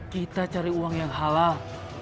kita cari uang yang halal